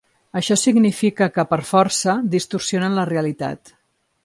Això significa que, per força, distorsionen la realitat.